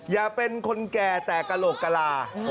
อย่าเป็นคนแก่แต่กระโหลกกะลา